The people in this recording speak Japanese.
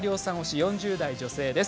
４０代女性です。